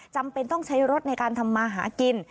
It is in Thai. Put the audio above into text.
จำเป็นต้องใช้รถในการทำมาหากิน